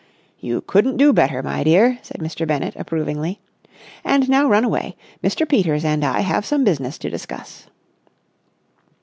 "You couldn't do better, my dear," said Mr. Bennett, approvingly. "And now run away. Mr. Peters and I have some business to discuss."